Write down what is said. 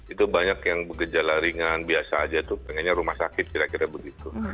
itu banyak yang bergejala ringan biasa aja itu pengennya rumah sakit kira kira begitu